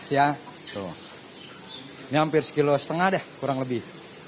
ini hampir satu lima kg deh kurang lebih